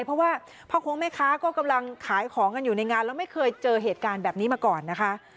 เพราะว่าพ่อคงแม่ค้าก็กำลังขายของกันอยู่ในงานแล้วไม่เคยเจอเหตุการณ์แบบนี้มาก่อนนะคะ